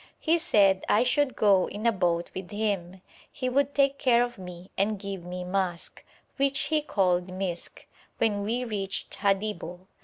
He said I should go in a boat with him; he would take care of me and give me musk (which he called misk) when we reached Hadibo.